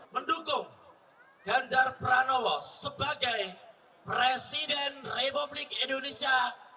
mendukung ganjar pranowo sebagai presiden republik indonesia dua ribu dua puluh empat dua ribu dua puluh sembilan